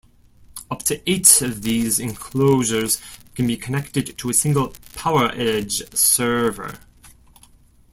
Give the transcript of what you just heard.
Up to eight of these enclosures can be connected to a single PowerEdge server.